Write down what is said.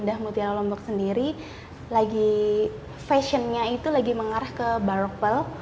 indah mutiara lombok sendiri lagi fashionnya itu lagi mengarah ke barpel